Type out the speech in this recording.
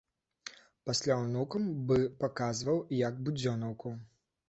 Пасля ўнукам бы паказваў, як будзёнаўку.